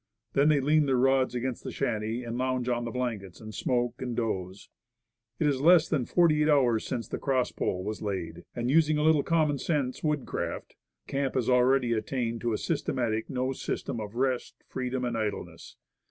Then they lean their rods against the shanty, and lounge on the blankets, and smoke and doze. It is less than forty eight hours since the cross pole was laid ; and, using a little common sense woodcraft, the camp has already attained to a systematic no system of rest, freedom and idleness.